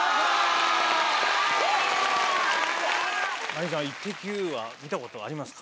真凜ちゃんは『イッテＱ！』は見たことありますか？